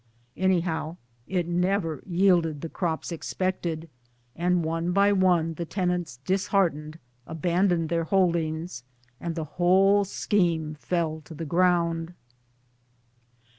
Anyhow it jneyer ;26o MY DAYS AND DREAMS yielded the crops expected ; and one by one th tenants disheartened abandoned their holdings, the whole scheme fell to the ground.